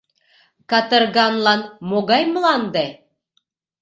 Катырганлан — могай мланде.